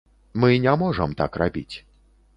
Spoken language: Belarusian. Мы не можам так рабіць.